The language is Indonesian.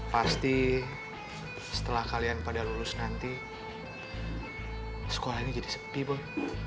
pasti setelah kalian pada lulus nanti sekolah ini jadi sepi boy